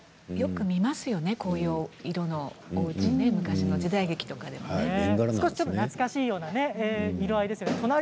よく見ますよねこういう色の昔の時代劇でもね。懐かしいような色合いですよね。